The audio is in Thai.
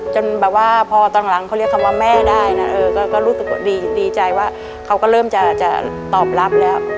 จนแบบว่าพอตอนหลังเขาเรียกคำว่าแม่ได้นะเออก็รู้สึกดีใจว่าเขาก็เริ่มจะตอบรับแล้ว